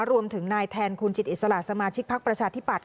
รวมถึงนายแทนคุณจิตอิสระสมาชิกพักประชาธิปัตย